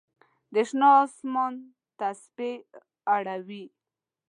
د شنه آسمان تسپې اړوي